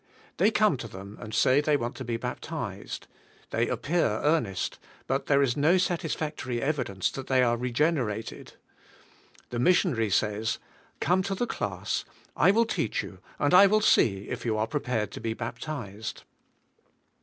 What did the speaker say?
They come to them and say they want to be baptized. They appear earnest, but there is no sat isfactory evidence that they are regenerated. The missionary says, "Come to the class; I will teach BK FILLED WITH THE SPIRIT. 75 you and I will see if jou are prepared to be bap tized."